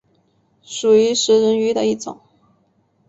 属于食人鱼的一种。